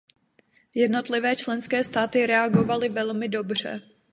Jednotlivé členské státy reagovaly velmi dobře.